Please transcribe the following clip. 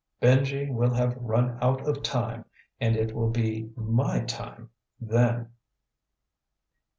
Benji will have run out of time and it will be my time then.